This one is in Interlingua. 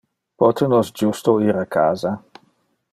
Pote nos justo ir a casa?